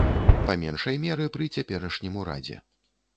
Па меншай меры, пры цяперашнім урадзе.